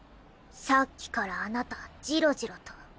さっきからあなたジロジロと。